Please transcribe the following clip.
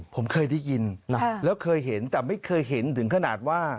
ผมเคยได้ยินนะแล้วเคยเห็นแต่ไม่เคยเห็นถึงขนาดว่า